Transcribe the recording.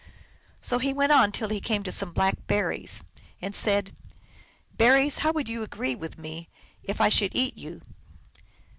So he went on till he came to some Black Berries, and said, " Berries, how would you agree with me if I should eat you?"